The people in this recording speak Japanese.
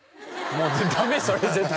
ダメそれ絶対！